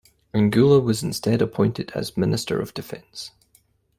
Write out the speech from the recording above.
Angula was instead appointed as Minister of Defense.